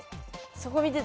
そこ見てた。